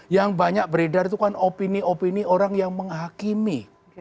yang banyak beredar itu kan opini opini orang yang menghakimi